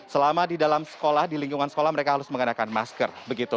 selama di dalam sekolah di lingkungan sekolah mereka harus mengenakan masker